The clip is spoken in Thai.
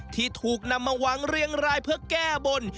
ที่ถูกนำมาวางเรียงรายเพื่อแก้บน